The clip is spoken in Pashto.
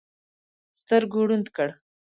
سترګو ړوند کړ.